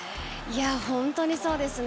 本当にそうですね。